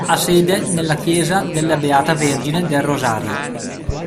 Ha sede nella Chiesa della Beata Vergine del Rosario.